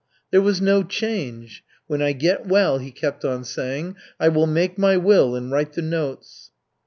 "There was no change. 'When I get well' he kept on saying, 'I will make my will and write the notes.'"